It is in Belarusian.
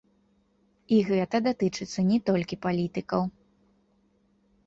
І гэта датычыцца не толькі палітыкаў.